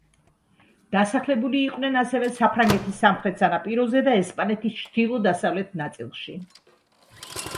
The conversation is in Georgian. დასახლებული იყვნენ, ასევე, საფრანგეთის სამხრეთ სანაპიროზე და ესპანეთის ჩრდილო-დასავლეთ ნაწილში.